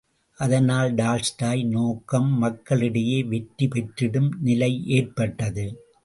அதனால், டால்ஸ்டாய் நோக்கம் மக்கள் இடையே வெற்றிபெற்றிடும் நிலையேற்பட்டது.